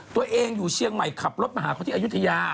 ตัวเองอยู่เชียงใหม่ขับรถมาหาเขาที่อายุทยา